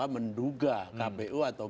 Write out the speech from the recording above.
menduga kpu atau